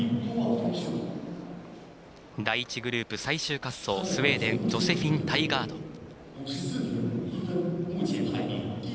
第１グループ、最終滑走スウェーデンジョセフィン・タイガード。